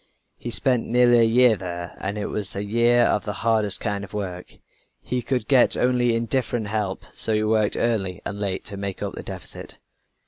He spent nearly a year there and it was a year of the hardest kind of work. He could get only indifferent help, so he worked early and late to make up the deficit.